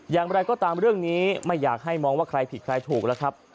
อย่างไรก็ตามเรื่องนี้ไม่อยากให้มองว่าใครผิดใครถูกแล้วครับ